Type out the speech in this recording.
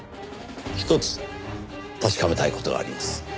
ひとつ確かめたい事があります。